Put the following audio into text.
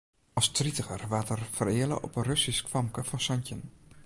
As tritiger waard er fereale op in Russysk famke fan santjin.